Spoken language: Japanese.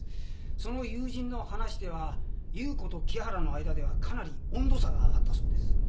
その友人の話では優子と木原の間ではかなり温度差があったそうです。